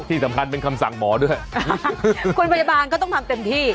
ที่สำคัญเป็นคำสั่งหมอด้วยคุณพยาบาลก็ต้องทำเต็มที่